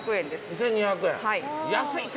２，２００円。